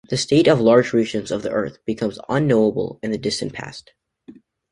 The state of large regions of the Earth becomes unknowable in the distant past.